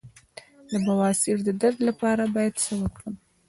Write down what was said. د بواسیر د درد لپاره باید څه وکړم؟